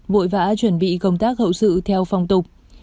vội vã chuẩn bị công tác hậu sự theo phong tục